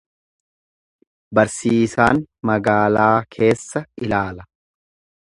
Barsiisaan magaalaa keessa ilaala.